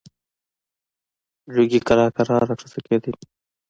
جوګي کرار کرار را کښته کېدی.